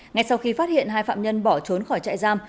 ngay sau khi phát hiện hai phạm nhân bỏ trốn khỏi trại giam